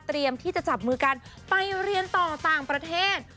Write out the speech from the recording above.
ที่จะจับมือกันไปเรียนต่อต่างประเทศ